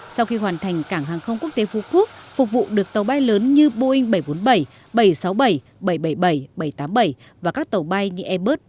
sau khi hoàn thành cảng hàng không quốc tế phú quốc phục vụ được tàu bay lớn như boeing bảy trăm bốn mươi bảy bảy trăm sáu mươi bảy bảy trăm bảy mươi bảy bảy trăm tám mươi bảy và các tàu bay như airbus